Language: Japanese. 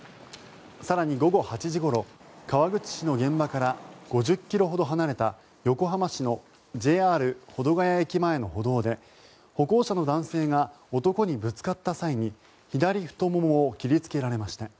更に午後８時ごろ川口市の現場から５０ｋｍほど離れた横浜市のＪＲ保土ケ谷駅前の歩道で歩行者の男性が男にぶつかった際に左太ももを切りつけられました。